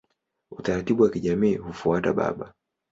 Utaratibu wa kijamii hufuata baba.